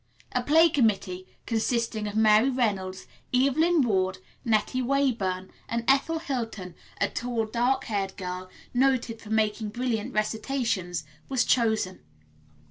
A play committee, consisting of Mary Reynolds, Evelyn Ward, Nettie Weyburn and Ethel Hilton, a tall, dark haired girl, noted for making brilliant recitations, was chosen.